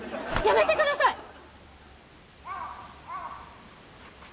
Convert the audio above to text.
やめてください！